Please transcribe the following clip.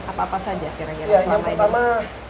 apa apa saja kira kira selama ini